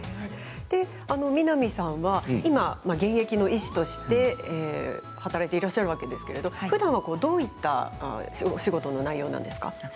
南さんは今現役の医師として働いていらっしゃるわけですけれどふだんはどういったお仕事の内容なんですか？